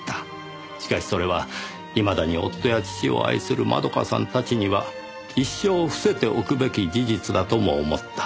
しかしそれはいまだに夫や父を愛する窓夏さんたちには一生伏せておくべき事実だとも思った。